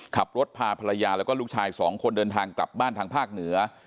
ขับรถพาภรรยาแล้วก็ลูกชายสองคนเดินทางกลับบ้านทางภาคเหนือ